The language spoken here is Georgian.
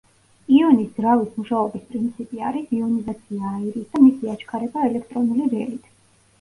იონის ძრავის მუშაობის პრინციპი არის იონიზაცია აირის და მისი აჩქარება ელექტრონული ველით.